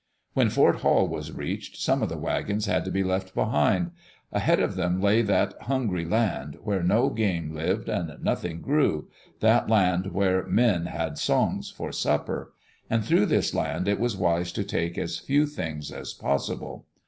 When Fort Hall was reached some of the wagons had to be left behind. Ahead of them lay that " hungry land," where no game lived and nothing grew, — that land where " men had songs for supper," and through this land It was wise to take as few things as possible.